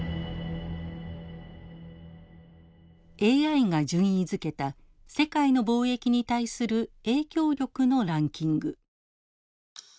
ＡＩが順位づけた世界の貿易に対する影響力のランキング。